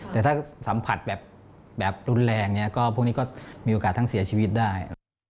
แต่ถ้าสัมผัสแบบรุนแรงเนี่ยก็พวกนี้ก็มีโอกาสทั้งเสียชีวิตได้